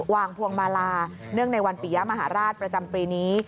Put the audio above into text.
พวงมาลาเนื่องในวันปียะมหาราชประจำปีนี้